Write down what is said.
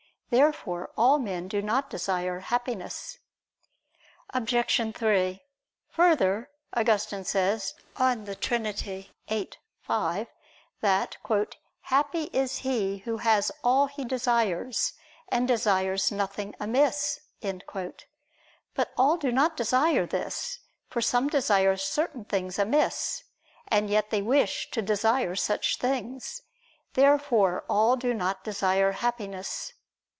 Therefore all men do not desire Happiness. Obj. 3: Further, Augustine says (De Trin. xiii, 5) that "happy is he who has all he desires, and desires nothing amiss." But all do not desire this; for some desire certain things amiss, and yet they wish to desire such things. Therefore all do not desire Happiness.